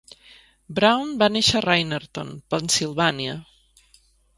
Brown va néixer a Reinerton, Pennsilvània.